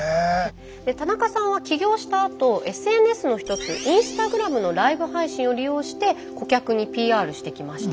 田中さんは起業したあとＳＮＳの一つインスタグラムのライブ配信を利用して顧客にＰＲしてきました。